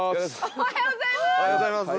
おはようございます！